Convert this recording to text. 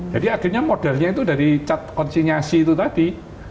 jadi akhirnya modalnya itu dari cat konsinyasi itu tadi